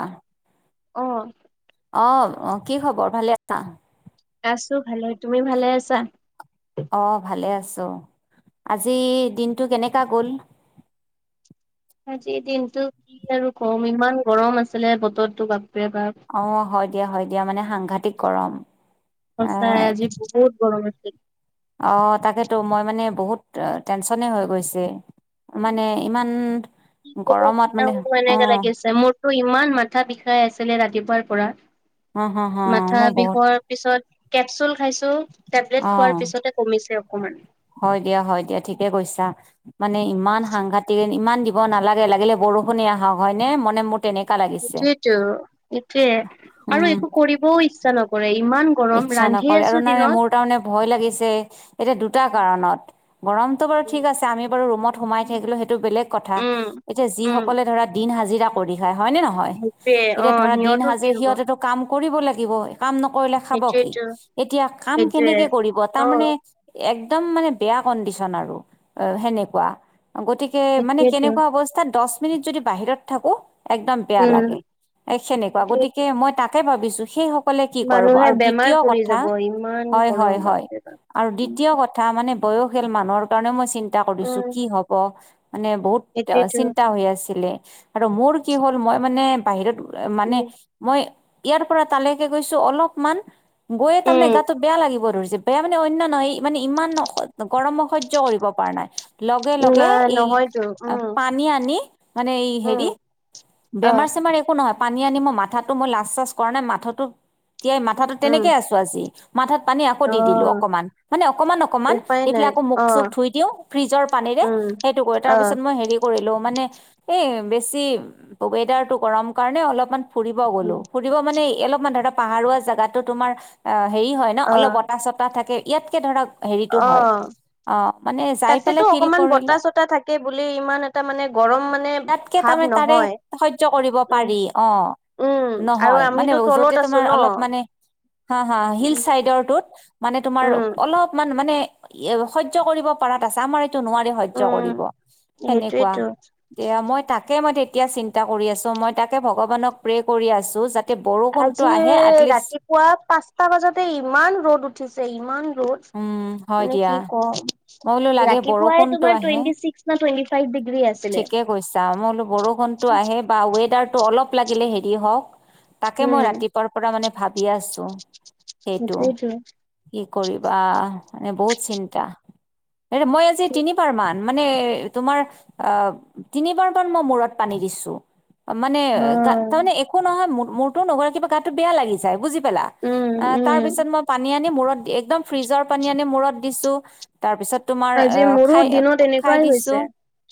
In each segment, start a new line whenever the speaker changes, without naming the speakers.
আহ
অ',
আহ কি খবৰ ভালে আছা?
আছো ভালে। তুমি ভালে আছা?
অ ভালে আছো আজি দিনটো কেনেকা গল?
আজিৰ দিনতটো কি আৰু ক'ম ইমান গৰম আছিলে বতৰটো ক।
অ হয় দিয়া হয় দিয়া মানে সাংঘাতিক গৰম। আহ
সচায় আজি বহুত গৰম আছিল।
অ তাকেতো মই মানে বহুত টেনশনে হৈ গৈছে। মানে ইমান গৰমত মানে অ
এনেুৱ [unintelligible] লাগি আছে মোৰ। ত' ইমান মাথা বিষাই আছিলে ৰাতিপুৱাৰ পৰা।
হ হ হ
মাথা
মই বহুত
বিষোৱাৰ পিছত, কেপচুল খাইছো, টেবলেট
অ
খোৱাৰ পিছতে কমিছে। অকমান।
হয় দিয়া হয় দিয়া ঠিকে কৈছা, মানে ইমান সাংঘাতিক ইমান দিব নালাগে, লাগিলে বৰষুণে আহক হয় নে মনে ম
এইটোয়েতো এইটোয়ে আৰু
উম
একো কৰিবও ইচ্ছা নক-
ইচ্ছা নকৰে আৰু ন মোৰ তাৰমানে ভয় লাগিছে। এতিয়া দুটা কাৰণত গৰমতটো বাৰু ঠিক আছে আমি বাৰু ৰুমত সোমাই থাকিলো সেইটো বেলেগ কথা,
উম,
এতিয়া
উম,
যিসকলে ধৰা দিন হাজিৰা কৰি খায় হয় ন নহয়,
সেইটোৱে
এতিয়া
অ',
ধৰা দিন
সিহঁতৰ কি
সাজে
হ'ব
সিহতেটো কাম কৰিব লাগিব ন। খাব কি,
সেইটোৱেতো।
এতিয়া কাম
সেইটোৱে।
কেনেকে কৰিব তাৰ
অ
মানে একদম মানে বেয়া কণ্ডিচন আৰু সেনেকুৱা। গতিকে মানে
সেইটোয়েতো
কেনেকুৱা অৱস্থাত দহ মিনিট যদি বাহিৰত থাকো, একদম বেয়া
উম
লাগে। এ সেনেকুৱা
সেইটোৱে
গতিকে মই তাকে ভাবিছো সেই সকলে কি কৰ
মানুহে
আৰু
বেমাৰ
দ্বিতীয়
পৰি
কথা
যাব ইমান
হয়
গৰম
হয় হয়
বাপৰে বাপ।
আৰু দ্বিতীয় কথা মানে বয়সিয়াল মানুহৰ কাৰণে মই চিন্তা কৰিছো
উম
কি হব, মানে বহুত
সেইটোৱেতো
চিন্তা হৈ আছিলে আৰু মোৰ কি হ'ল মই মানে বাহিৰত মানে
উম।
মই ইয়াৰ পৰা তালৈকে গৈছো অলপমান গৈয় তাৰমানে
উম
গাটো বেয়া লাগিব ৰ বেয়া মানে অন্য নহয়, মানে ইমান গৰমত সহ্য কৰিব পৰা নাই। লগে -লগে
নাই
এই
নহয়তো উম
পানী আনি মানে এই হেৰি
উম অ
বেমাৰ- চেমাৰ একো নহয় পানী আনি মই মাথাতো মই লাজ- চাজ কৰা নাই মাথাটো তিয়াই মাথাটো
উম
তেনেকে আছো আজি মাথাত পানী আকৌ
অ।
দি দিলো অকমান, মানে অকমান -অকমান
উপায়
দি পেলাই
নাই
আকৌ
অ
মুখ- চুখ ধুই দিওঁ ফ্ৰিজৰ পানী
উম
[unintelligible] সেইটো কৰো।
অ
তাৰপিছত মই হেৰি কৰিলো মানে এই বেছি ৱেডাৰটো গৰম কাৰণে অলপমান ফুৰিব গ'লো
উম
ফুৰিব মানে অলপমান ধৰা পাহাৰোৱা জাগাতো তোমাৰ অ হেৰি হয় ন অলপ বতাহ -চতাহ থাকে, ইয়াতকৈ ধৰক
অহ
যাই
তাতেটো
পেলাই ফিল
অকমান
কৰিলো
বতাহ- চতাহ থাকে বুলি ইমান এটা মানে গৰম মানে
তাতকে
ভাৱ
তাৰমানে তাৰে
নহয়।
সহ্য কৰিব
উম
পাৰি অ',
উম আৰু
নহয় মানে
আমিতো
যতে
তলত আছো
তোমাৰ
ন
অলপ মানে হা -হা হিল
উম
চাইডৰটোত মানে তোমাৰ
উম
অলপমান মানে সহ্য কৰিব পাৰাত আছা আমাৰ এইটো নোৱাৰি
উম।
কৰিব সহ্য সেনেকুৱা
সেইটোয়েতো
দিয়া মই তাকে মই তেতিয়া চিন্তা কৰি আছো মই তাকে ভগৱানক প্ৰে কৰি আছো যাতে বৰষুণটো
আজি
আহে এটলিষ্ট
ৰাতিপুৱা পাঁচটা বাজাতে ইমান ৰ'দ উঠিছে ইমান ৰ'দ
উম হয়
মানে
দিয়া
কি কম
মই বোলো লাগে
ৰাতিপুৱাই
বৰষুণটো
তোমাৰ
আহে
টুৱেন্টি ছিক্স না টুৱেন্টি
ঠিকে কৈছা মই বোলো বৰষুণটো আহে বা ৱেডাৰটো অলপ লাগিলে হেৰি হওক তাকে মই
উম
ৰাতিপুৱাৰ পৰা মানে ভাবি আছো সেইটো
সেইটোৱেইতো
কি কৰিবা মানে বহুত চিন্তা এ মই আজি তিনিবাৰ মানে তোমাৰ অহ, তিনিবাৰ মান মই মূৰত পানী দিছো মানে
অ
তাৰমানে একো নহয় ম মোৰটো নগৈ কিবা গাতটো বেয়া লাগি যায় বুজি পালা
উম
তাৰ
উম
পিছত মই পানী আনি মূৰত দি একদম ফ্ৰিজৰ পানী আনি মূৰত দিছো তাৰপিছত
আজি মোৰো দিনত এনেকুৱাই হৈছে।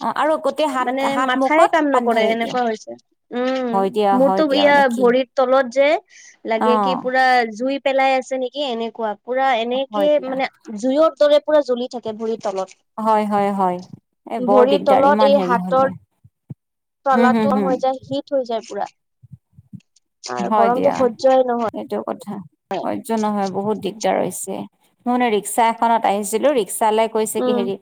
অ আৰু গোটেই হাত
মানে
হাত
মাথাই
মুখত
কাম
পানী
নকৰে
ঢালি দিওঁ
এনেকুৱা হৈছে উম
হয় দিয়া হয়
মোৰতো
দিয়া মানে
ইয়াত
কি
ভৰিত তলত যে
অ
লাগে কি পুৰা জুই পেলাই আছে নেকি এনেকুৱা পুৰা এনেকে
হয় দিয়া
মানে জুইৰ দৰে পুৰা জ্বলি থাকে ভৰিত। তলত
হয় হয় হয় এ বৰ
ভৰিৰ
দিগদাৰ
তলত
ইমান
এই
হেৰি হলে
হাতৰ
হম
তলা
হম
টো গৰম
হম
হৈ যায় হীট হৈ যায় পুৰা। আৰু
হয়
গৰমটো
দিয়া
সহ্যই নহয়
এইটো কথা সহ্য নহয় বহুত দিগদাৰ হৈছে মই মানে ৰিক্সা এখনত আহিছিলো চালে কৈছে কি
উম
হেৰি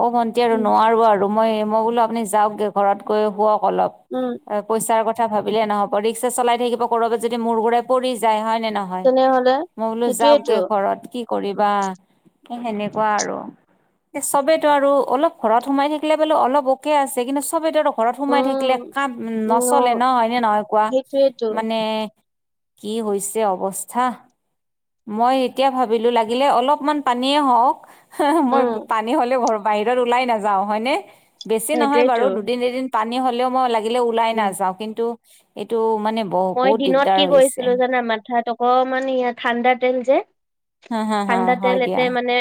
অহ ভণ্টি আৰু নোৱাৰো আৰু মই -মই বোলো আপুনি যাওক গে ঘৰত গৈ শুৱক অলপ
উম
পইচাৰ কথা কথা ভাবিলে নহব ৰিক্সা চলাই থাকিব ক'ৰবাত যদি মূৰ ঘূৰাই পৰি যায় হয় নে নহয়
তেনেহলে
মই বোলো যাওক গে
সেইটোয়েইটো
ঘৰত কি কৰিবা হে সেনেকুৱা আৰু চবেতো আৰু অলপ ঘৰত সোমাই থাকিলে বোলো অলপ অকে আছে কিন্তু চবেতো ঘৰত সোমাই থাকিলে
উম
কাম নচলে ন
উম
হয়নে নহয় কোৱা?
সেইটোয়েইটো
এ কি হৈছে অৱস্থা মই এতিয়া ভাবিলোঁ লাগিলে অলপমান পানীয়ে হওঁক হা - হা মই
উম
পানী হ'লে ঘৰ বাহিৰত ওলাই নাযাও হয়নে বেছি নহয় বাৰু
সেইটোয়েইটো
দুদিন, এদিন পানী হ'লেও মই লাগিলে ওলাই
উম
নাযাও কিন্তু এইটো মানে ব
মই
বহুত
দিনত
দিগদাৰ
কি
হৈছে
কৰিছিলো জানা মাথাত অকমান ইয়া ঠাণ্ডা তেল যে
হা হা হা
ঠাণ্ডা
হয়
তেল
দিয়া
এতে মানে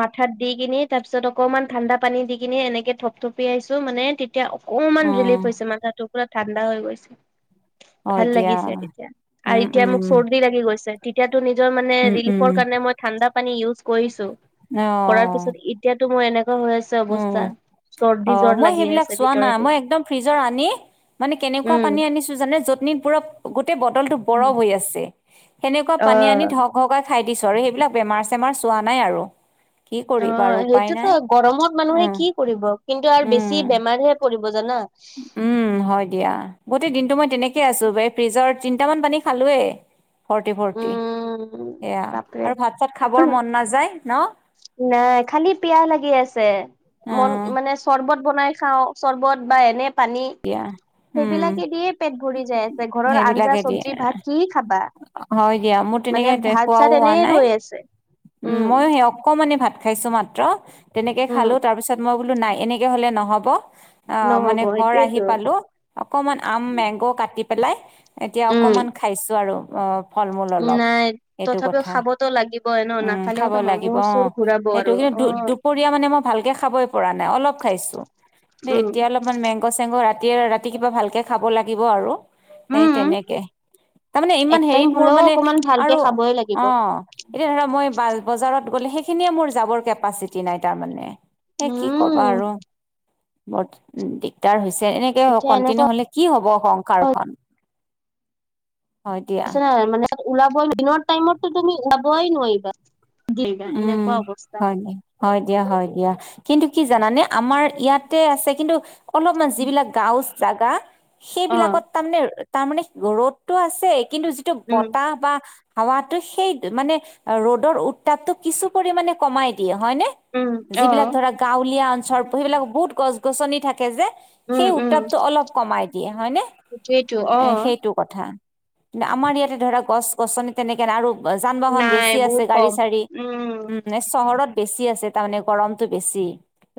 মাথাত দি কিনি তাৰ পিছত অকমান ঠাণ্ডা পানী দি কিনি এনেকে থপথপিয়াইছো মানে এতিয়া অকমান ৰিলিফ
উম
হৈছে মাথাটো পুৰা ঠাণ্ডা হৈ গৈছে।
হয়
ভাল
দিয়া
লাগিছে এতিয়া আৰু
উম
এতিয়া মোক
উম
চৰ্দি লাগি গৈছে তেতিয়াটো নিজৰ মানে
উম
ৰিলিফৰ
উম
কাৰণে মই ঠাণ্ডা পানী ইউজ কৰিছো
অ
কৰাৰ পিছত এতিয়াতো মই এনে অৱস্থা।
উম অ
জ্বৰ
মই
লাগি
সেইবিলাক
আছে
চোৱা না
ভিতৰেদি
মই একদম ফ্ৰিজৰ আনি মানে কেনেকুৱা
উম।
পানী আনিছো জানে যতন পুৰ তে বটল টো বৰ হৈ আছে সেনেকুৱা
অ
পানী আনি ক [unintelligible] খাই দিছো আৰু সেইবিলাক বেমাৰ চেমাৰ চোৱা নাই আৰু। কি
অ
কৰিবা আৰু উপায় নাই
সেইটোতো গৰমত মানুহে
উম
কি কৰিব কিন্তু আৰু বেছি
উম
বেমাৰহে পৰিব জানা।
উম হয় দিয়া গোটেই দিনটো মই। তেনেকে আছো ব ফ্ৰিজৰ তিনটা মান পানী খালোৱে ভৰ্তি ভৰ্তি
উম
সেয়া
বাপৰে।
আৰু ভাত চাত খাবৰ মন নাযায় ন।
নাই খালি পিয়াহ লাগি আছে।
অ
মন মানে চৰ্বত বনাই খাওঁ চৰ্বত বা এনে পানী।
দিয়া উম
সেইবিলাকে দিয়ে পেট ভৰি যাই আছে ঘৰৰ আঞ্জা
সেইবিলাকে দিয়ে
চব্জি ভাত কি খাবা।
হয় দিয়া মোৰ তেনেকে
মানে ভাত
খোৱাও
চাত
হোৱা
এনেই
নাই
ৰৈ আছে।
উম মই সেই অকমানে ভাত খাইছো মাত্ৰ তেনেকে
উম
খালো তাৰ পিছত মই বোলো নাই এনেকৈ হ'লে নহ'ব। অ মানে
নহব
ঘৰ আহি
সেইটোয়েতো
পালো অকমান আম মেগ কাটি পেলাই এতিয়া অকমান
উম
খাইছো আৰু অ ফল মূল অলপ
নাই
এইটো
তথাপিও
কথা
খাবতো লাগিবই ন
উম খাব
নাখালেওতো
লাগিব
মামুৰ
অ
চুৰ ঘূৰাব
সেইটো
আৰু
কিন্তু দু
অ
দুপৰীয়া মানে মই ভালকে খাবই পৰা নাই অলপ খাইছো
উম
এতিয়া অলপমান মেংগ চেংগ ৰাতিয় ৰাতি কিবা ভালকে খাব লাগিব আৰু
উম
এইটেনেকে তাৰমানে
এক
ইমান
টাইম
হেৰিত মোৰ
হলেও
মানে
অকমান ভালকে
আৰু
খাবই লাগিব
অ এতিয়া ধৰা মই বজাৰত গ'লে সেইখিনিয়ে মোৰ যাবৰ কেপাচিটি নাই তাৰ মানে এ কি কবা
উম
আৰু বৰ উ দিগদাৰ হৈছে তেনেকে
এতিয়া এনেকুৱা
কন্টিনিউ হলে কি হ'ব সংসাৰখন হয় দিয়া
নাই মানে ওলাব দিনৰ টাইমতো তুমি ওলাবই নোৱাৰিবা। দিবা
উম
এনেকুৱা অৱস্থা
হয় দিয়া হয় দিয়া হয় দিয়া। কিন্তু কি জানানে আমাৰ ইয়াতে আছে কিন্তু অলপমান যিবিলাক গাও জাগা
অ
সেইবিলাকত তাৰমানে তাৰমানে ৰ'দতটো আছে কিন্তু যিটো
উম
বতাহ বা হাৱাতো সেই মানে ৰ'দৰ উত্তাপটো কিছু পৰিমানে কমাই দিয়ে হয়নে
উম অ
যিবিলাক ধৰা গাঁৱলীয়া অঞ্চল সেইবিলাক বহুত গছ গছনি থাকে যে
উম
সেই
উম
উত্তাপটো অলপ কমাই দিয়ে হয় নে
সেইটোয়েতো
এ
অ
সেইটো কথা কি আমাৰ ইয়াতে ধৰা গছ গছনি তেনেকে নাই আৰু যান বাহন
নাই
বেছি আছে
বহুত
গাড়ী
কম
চাড়ী উম চহৰত বেছি আছে তাৰমানে গৰমতটো বেছি।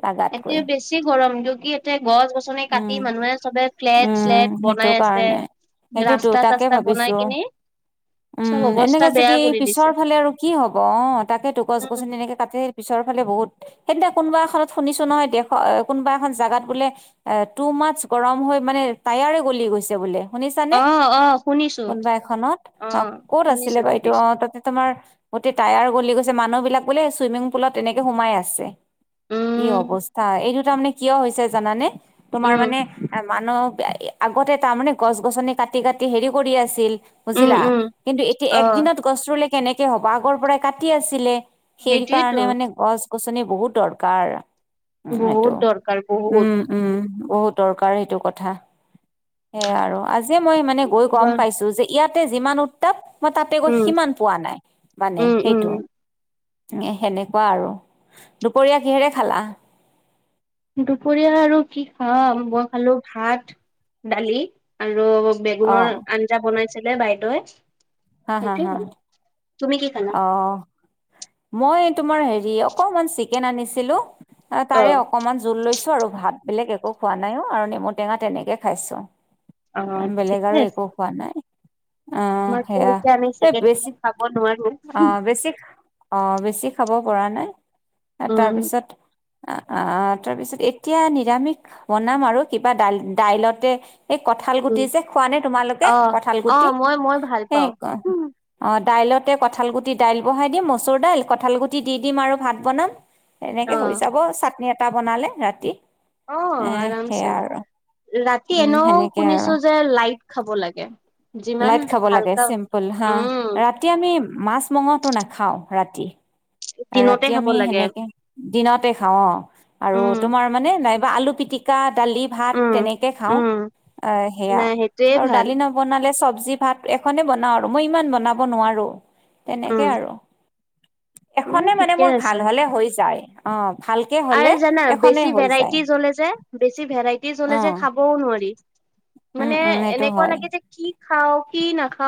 লাগাতকৈ
এতিয়া বেছি গৰম ক কি ইতে গছ গছনি
উম
কাটি মানুহে চবে ফ্লেট
উম
চেলেট
সেইটো
বনাই আছে
কাৰণে সেইটোতো
ৰাস্তা
তাকে
চাস্তা বনাই
ভাবিছো।
কিনি
উম
চব অৱস্থা
এনেকে
বেয়া
যদি
কৰি দিছে
পিছৰ ফালে আৰু কি হব অ তাকেই তো গছ
উম
গছনি এনেকে কাটি পিছৰ ফালে বহুত সেইনা কোনোবা এখনত শুনিছো নহয় দেশ কোনোবা এখন জাগাত বোলে ত সু মাছ গৰম হৈ মানে টায়াৰে গলি গৈছে বোলে শুনিছানে
অ অ শুনিছো
কোনোবা এখনত অ ক'ত
শুনিছো
আছিলে বাইদউ অ
শুনিছো
তাতে তোমাৰ গোটেই টায়াৰ গলি গৈছে মানুহ বিলাক বোলে চুইমিং পুলত এনেকে সোমাই আছে। কি
উম
অৱস্থা এইটো তাৰমানে কিয় হৈছে জানানে তোমাৰ
উম
মানে মানুহ আগতে তাৰমানে গছ গছনি কাটি কাটি হেৰি কৰি আছিল।
উম
বুজিলা
উম
কিন্তু এতিয়া
অ
একদিনত গছ ৰুলে কেনেকে হ'ব আগৰ পৰাই কাটি আছিলে। সেই
সেইটোয়েতো
কাৰণে মানে গছ গছনি বহুত দৰকাৰ উ সেইটো
বহুত দৰকাৰ বহুত
উম উম বহুত দৰকাৰ সেইটো কথা সেয়াই আৰু আজিয় মই মানে গৈ
বা
গম পাইছো যে ইয়াত তাতে যিমান উত্তাপ মই তাতে গৈ
উম
সিমান পোৱা নাই মানে
উম উম
সেইটো এ সেনেকুৱা আৰু দুপৰীয়া কিহেৰে খালা
দুপৰীয়া আৰু কি খাম মই খালো ভাত দালি আৰু আৰু
অ
বেগুনৰ আঞ্জা বনাইছিলে বাইদেৱে
হা হা হা।
তুমি কি খালা?
অ', মই তোমাৰ হেৰি অকনমান চিকেন আনিছিলো অ তাৰে অকনমান জোল লৈছো আৰু ভাত। বেলেগ একো খোৱা নাইও আৰু নেমু টেঙা তেনেকে খাইছো।
অ
বেলেগ
ঠিকে
আৰু
আছে।
একো খোৱা নাই। অ
আমাৰতো
সেয়া
এতিয়া আমি
বে
চিকেন চিকেন
বেছি
খাব নোৱাৰো।
অ বেছি অ বেছি খাব পৰা নাই,
উম
তাৰপিছত অ তাৰপিছত এতিয়া নিৰামিষ বনাম আৰু কিবা দাই দাইলতে এই কঁঠাল গুটি
উম
যে খোৱা নে তোমালোকে
অ
কঁঠাল
অ
গুটি?
মই মই ভাল
সেই
পাওঁ।
অ দাইলতে কঁঠাল গুটি দাইল বহাই দিম মচুৰ দাল, কঁঠাল গুটি দি দিম আৰু ভাত বনাম।
অ
সেনেকে হৈ যাব চাটনি এটা বনালে ৰাতি।
অ
এ
আৰামছে,
সেয়া আৰু
ৰাতি
উম
এনেও
সেনেকে আৰু
শুনিছো যে লাইট খাব লাগে। যিমান
লাইট খাব লাগে
হালকা
চিম্পুল হা
উম
ৰাতি আমি মাছ মঙহটো নাখাও ৰাতি।
দিনতে
ৰাতি
খাব
আমি
লাগে।
সেনেকে দিনতে খাওঁ আও, আৰু
উম।
তোমাৰ মানে নাই বা আলু পিটিকা দালি ভাত
উম
তেনেকে খাওঁ
উম
অ সেয়া,
নাই সেইটোয়ে
আৰু
ভাল
দালি নালে চব জি ভাত এখনে বনাওঁ আৰু মই ইমান বনাব নোৱাৰো, তেনেকে
উম
আৰু।
এ
এখনে মানে
ঠিকে
মোৰ ভাল
আছে।
হলে হৈ যায় অ।
আৰু জানা বেছি ভেৰাইটি জ্বলে যে বেছি ভেৰাইটি জ্বলে যে
অঁ
খাবও নোৱাৰি?
উম
মানে
উম সেইটো
এনেকুৱা
হয়
লাগে যে কি খাও কি নাখা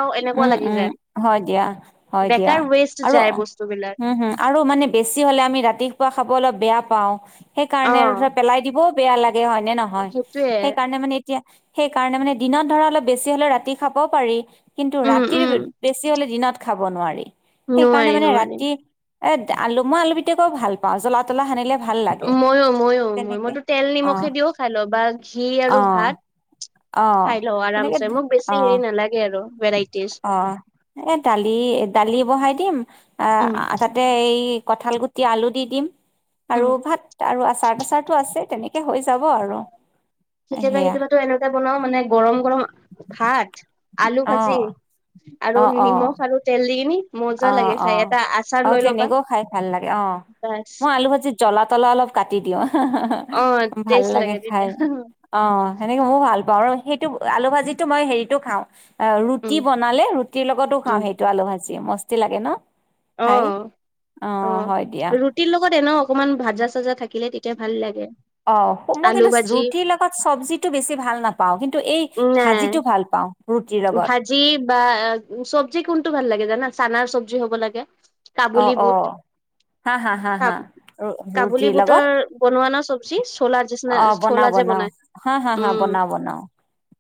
উম উম হয় দিয়া হয় দিয়া,
বেকাৰ ৱেষ্ট
আৰু
যায় বস্তুবিলাক
উম হুম আৰু মানে বেছি হ'লে আমি ৰাতিপুৱা খাব অলপ বেয়া পাও,
অ'।
সেইকাৰণে আৰু ধ পেলাই দিবও বেয়া লাগে হয় নে নহয়?
সেইটোয়ে
সেইকাৰণে মানে এতিয়া সেই কাৰণে মানে দিনত ধৰা অলপ বেছি হলে ৰাতি খাবও পাৰি। কিন্তু
উম,
ৰাতিৰ
উম,
বেছি হলে দিনত খাব নোৱাৰি, সেইকাৰণে
নোৱাৰি
মানে
নোৱাৰি।
ৰাতি এ আলু মই আলু পিটিকা কৈ ভাল পাওঁ, জ্বলা তলা সানিলে ভাল লাগে
ময়ো ময়ো ময়
তেনেকে
মইতো তেল
অঁ
নিমখে দিও খাই লওঁ বা ঘি আৰু ভাত
অ', অ',
খাই ল
তেনেকে
আৰামছে মোক বেছি হেৰি
অ',
নালাগে আৰু। ভেৰাইটিজ
অ, এ দালি -দালি বহাই দিম
উম,
আহ তাতে এ এই কঁঠাল গুটি আলু দি দিম
উম।
আৰু ভাত আৰু আচাৰ তাচাৰটো আছে। তেনেকে হৈ যাব আৰু।
ঠিকে যে
সেয়া
কেতিয়াবাটো এনেকুৱা বনাও মানে গৰম গৰম ভাত- আলু
অ',
ভাজি আৰু
অ',
নিমখ
অ'।
আৰু তেল দি কিনি
অ
মজা লাগে
অ
খাই এটা আচাৰ
অ
লৈ ল'বা
তেনেকেও খাই ভাল লাগে অ,
বাছ।
মই আলু ভাজি জ্বলা তলা অলপ কাটি দিওঁ। হা হা হা
অ',
ভাল
টেষ্ট
লাগে খায়,
তেতিয়া
অ সেনেকে মই ভাল বাৰু, সেইটো আলু ভাজিতো মই হেৰিটো খাওঁ অ
উম।
ৰুটি বনালে, ৰুটিৰ লগতো খাওঁ
উম
সেইটো আলু ভাজি মস্তি লাগে ন।
অ
খাই
অ অ
হয় দিয়া
ৰুটিৰ লগত এনেও অকমান ভাজা চাজা থাক থাকিলে তেতিয়া ভাল লাগে।
অ মই
আলু
কিন্তু
ভাজি
ৰুটিৰ লগত চবজিটো বেছি ভাল নাপাওঁ কিন্তু এই
নাই
ভাজিটো ভাল পাওঁ। ৰুটিৰ লগত
ভাজি বা আ চবজি কোনটো ভাল লাগে জানা চানাৰ চব্জি হ'ব লাগে
অ
কাবোলী
অ
বুট,
হা হা হা
কা
হা ৰু-
কাবোলী
ৰুটিৰ
বোটৰ
লগত
বনোৱা ন চব জি চলা জিচিনা
অ
চলা
বনাও
যে
বনাও
বনাই
হা হা হা
উম।
বনাও বনাও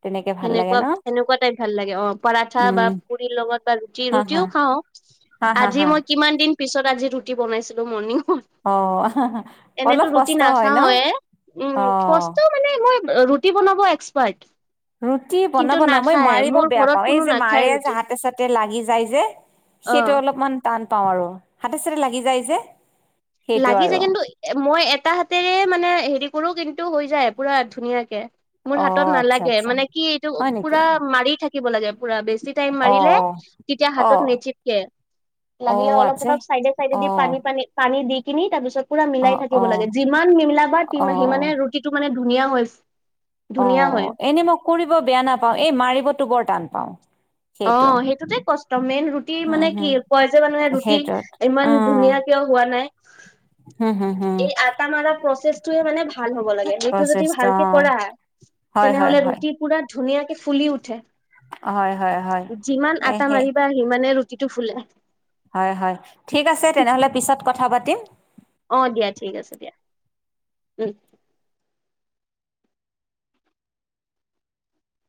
তেনেকে ভাল লাগে
সেনেকুৱা
ন
সেনেকুৱা টাইপ ভাল লাগে অ পৰাঠা বা
উম
পুৰি লগত বা ৰুটি
হা
ৰুটিও
হা
খাওঁ
হা হা
আজি
হা
মই কিমান দিন পিছত আজি ৰুটি বনাইছিলো মৰ্ণিং।
অ অলপ
এনেতো ৰুটি
কষ্ট হয় ন
নাখাওয়ে,
অ
উম কষ্ট মানে মোৰ ৰুটি বনাব এক্সপাৰ্ট।
ৰুটি
কিন্তু
বনাব ন মই
নাখায়
মাৰিব
মোৰ
বেয়া
ঘৰত
পাও এই
কোনো
যে
নাখায়
মাৰে
ৰুটি
যে হাতে চাতে লাগি যায় যে।
অ
সেইটো অলপমান টান পাওঁ আৰু হাতে চাতে লাগি যায় যে। সেইটো
লাগি
আৰু
থাকে কিন্তু মই এটা হাতেৰে মানে হেৰি। পোৰো কিন্তু হৈ যায় পুৰা ধুনীয়াকে। মোৰ হাতত
অঁ আচ্ছা
নালাগে
আচ্ছা
মানে কি এইটো
হয় নেকি?
পুৰা মাৰি থাকিব লাগে। পুৰা বেছি টাইম মাৰিলে
অ',
তেতিয়া হাতত
অ'।
নেচটকে। লাগিলে
অ',
অলপ
আচ্ছা
অলপ চাইডে চাইডে দি
অ',
পানী পানী পানী দি। কিনি তাৰ পিছত পুৰা মিলাই
অ',
থাকিব
অ',
লাগে যিমান মিলাবা সি মানে
অ'।
ৰুটিটো মানে ধুনীয়া হয়।
অ
ধুনীয়া হয়
এনেই মই কৰিব বেয়া নাপাওঁ এই মাৰিবতো বৰ টান পাওঁ।
অ
সেইটো।
সেইটোতে কষ্ট মেইন ৰুটি
উম,
মানে কি
হম,
কয় যে মানুহে ৰুটি
সেইটোত
ইমান
অ',
ধুনীয়াকে সেই বোৰ হোৱানাই
হম, হম, হম,
কিন্তু আতা মৰা প্ৰচেছ টোৱে মানে ভাল হ'ব লাগে সেইটো যদি
প্ৰচেষ্ট
ভালকে
অ'।
কৰা
হয়, হয়,
তেনেহলে
হয়,
ৰুটি পুৰা ধুনিয়ীয়া কে ফুলি উঠে।
হয়, হয়, হয়,
যিমান
এ
আটা
সেই
মাৰিবা সিমানে ৰুটিটো ফুলে।
হয় হয়, ঠিক আছে তেনেহলে পিছত কথা পাতিম।
অ, দিয়া ঠিক আছে দিয়া। উম।